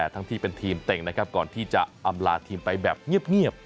ทั้งที่เป็นทีมเต็งนะครับก่อนที่จะอำลาทีมไปแบบเงียบ